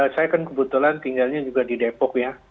saya kan kebetulan tinggalnya juga di depok ya